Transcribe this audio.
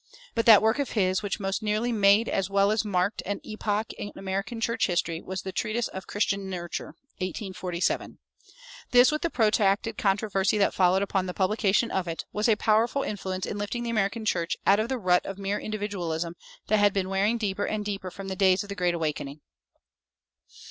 But that work of his which most nearly made as well as marked an epoch in American church history was the treatise of "Christian Nurture" (1847). This, with the protracted controversy that followed upon the publication of it, was a powerful influence in lifting the American church out of the rut of mere individualism that had been wearing deeper and deeper from the days of the Great Awakening.